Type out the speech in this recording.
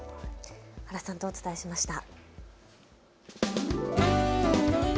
原さんとお伝えしました。